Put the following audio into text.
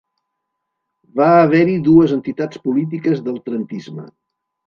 Va haver-hi dues entitats polítiques del trentisme.